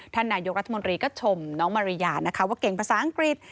ท่านนายกรัฐมนตรีก็ชมน้องมาริยานะคะว่าเก่งภาษาอังกฤษ